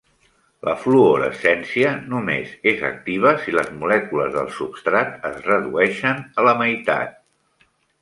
La fluorescència només és activa si les molècules del substrat es redueixen a la meitat.